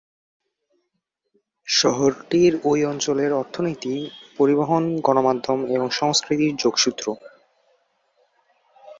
শহরটি ওই অঞ্চলের অর্থনীতি, পরিবহন, গণমাধ্যম এবং সংস্কৃতির যোগসূত্র।